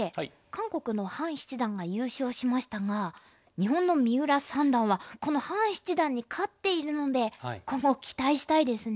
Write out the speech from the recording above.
韓国のハン七段が優勝しましたが日本の三浦三段はこのハン七段に勝っているので今後期待したいですね。